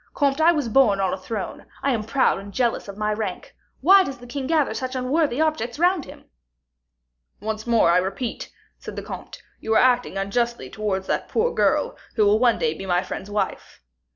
Comte, I was born on a throne, I am proud and jealous of my rank. Why does the king gather such unworthy objects round him?" "Once more, I repeat," said the comte, "you are acting unjustly towards that poor girl, who will one day be my friend's wife."